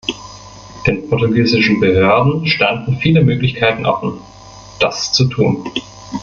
Den portugiesischen Behörden standen viele Möglichkeiten offen, das zu tun.